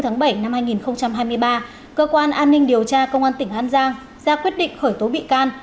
ngày hai mươi bốn tháng bảy năm hai nghìn hai mươi ba cơ quan an ninh điều tra công an tỉnh an giang ra quyết định khởi tố bị can